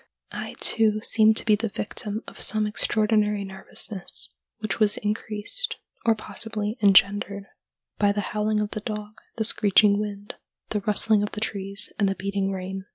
I, too, seemed to be the victim of some extraordinary nervousness, which was increased, or possibly engendered, by the howling of the dog, the screeching wind, the rustling of the trees, and the beating rain.